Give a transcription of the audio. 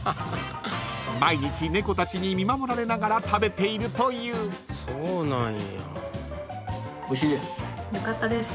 ［毎日猫たちに見守られながら食べているという］よかったです。